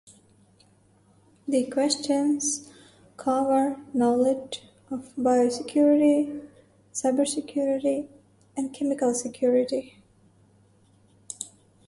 The questions cover knowledge of biosecurity, cybersecurity and chemical security.